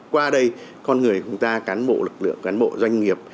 qua đây con người của chúng ta cán bộ lực lượng cán bộ doanh nghiệp